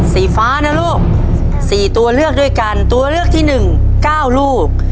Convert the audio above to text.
สีฟ้านะลูกสี่ตัวเลือกด้วยกันตัวเลือกที่หนึ่งเก้าลูก